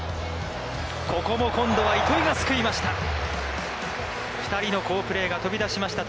ここも今度は糸井が救いました。